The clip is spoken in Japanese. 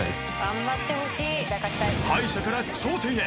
［敗者から頂点へ。